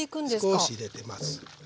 少し入れてます。